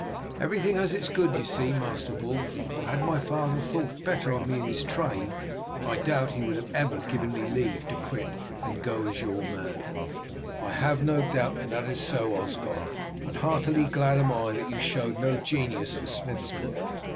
Everything has its good, you see, Master Wulf; for had my father thought better of me in his trade, I doubt if he would ever have given me leave to quit it, and go as your man." "I have no doubt that is so, Osgod, and heartily glad am I that you showed no genius for smith's work.